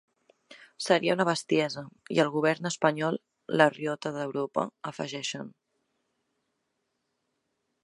Seria una bestiesa i el govern espanyol, la riota d’Europa, afegeixen.